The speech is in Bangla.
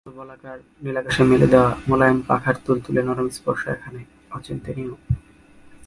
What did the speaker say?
শুভ্র বলাকার নীলাকাশে মেলে দেওয়া মোলায়েম পাখার তুলতুলে নরম স্পর্শ এখানে অচিন্তনীয়।